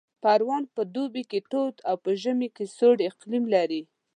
پروان په دوبي کې تود او په ژمي کې سوړ اقلیم لري